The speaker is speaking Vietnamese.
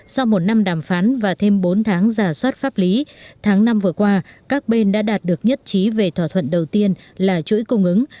sau một năm đàm phán và thêm bốn tháng giả soát pháp lý tháng năm vừa qua các bên đã đạt được nhất trí về thỏa thuận đầu tiên là chuỗi cung ứng